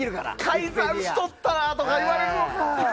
改ざんしとったとか言われるのか。